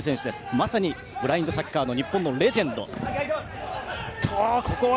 まさにブラインドサッカーの日本のレジェンド。